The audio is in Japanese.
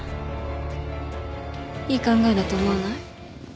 いい考えだと思わない？